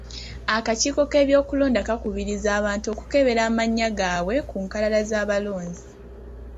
Akakiiko k'ebyokulonda kakubiriza abantu okukebera amannya gaabwe ku nkalala z'abalonzi.